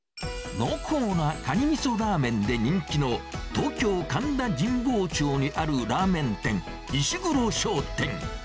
濃厚なカニみそラーメンで人気の東京・神田神保町にあるラーメン店、石黒商店。